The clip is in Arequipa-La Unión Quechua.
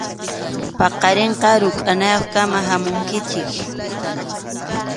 Paqarinqa rukʼanayuqkama hamunkichik.